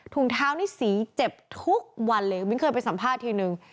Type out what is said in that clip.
ถุงเท้านี่สีเจ็บทุกวันเลยมิ้นเคยไปสัมภาษณ์ทีนึง